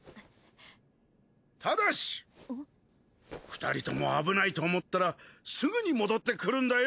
ただし２人とも危ないと思ったらすぐに戻ってくるんだよ。